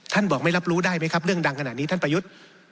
บอกไม่รับรู้ได้ไหมครับเรื่องดังขนาดนี้ท่านประยุทธ์